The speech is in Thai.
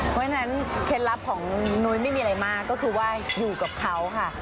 เพราะฉะนั้นเคล็ดลับของนุ้ยไม่มีอะไรมากก็คือว่าอยู่กับเขาค่ะ